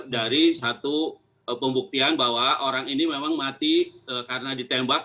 dari satu pembuktian bahwa orang ini memang mati karena ditembak